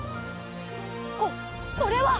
ここれは！